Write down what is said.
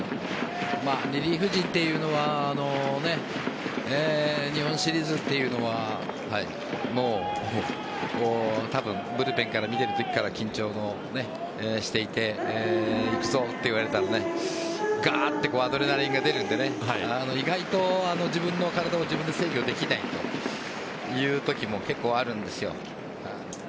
リリーフ陣というのは日本シリーズというのは多分ブルペンから見ているときから緊張していて行くぞと言われたらガーッとアドレナリンが出るので意外と自分の体を自分で制御できないというときも結構あるんですよ。